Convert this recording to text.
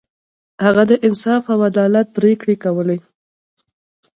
هغه د انصاف او عدالت پریکړې کولې.